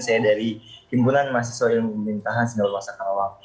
saya dari kumpulan mahasiswa ilmu pemerintahan singapura sekarang